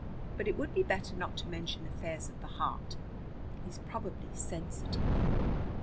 But it would be better not to mention affairs of the heart. He's probably sensitive."